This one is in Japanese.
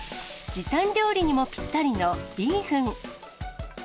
時短料理にもぴったりのビーフン。